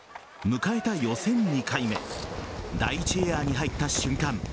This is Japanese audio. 迎えた予選２回目第１エアに入った瞬間